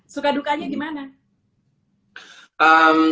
suka dukanya gimana